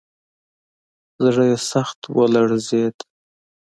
زړه یې سخت ولړزېد.